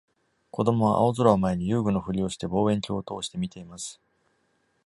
子供は、青空を前に遊具のふりをして望遠鏡を通して見ています。